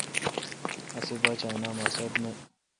اسے°باچا اے°نام اسد نہ۔